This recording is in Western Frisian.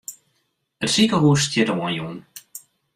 It sikehûs stiet oanjûn.